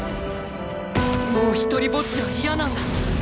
もう独りぼっちは嫌なんだ！